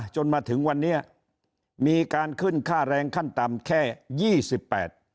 จนมาถึงวันนี้มีการขึ้นค่าแรงขั้นต่ำแค่ยี่สิบแปด